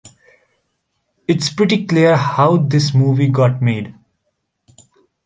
It's pretty clear how this movie got made.